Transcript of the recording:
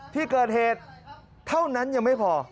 ที่เกิดเหตุเท่านั้นยังไม่พอ